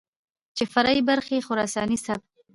چې فرعي برخې خراساني سبک،